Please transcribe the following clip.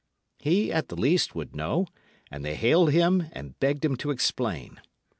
He, at the least, would know, and they hailed him and begged him to explain.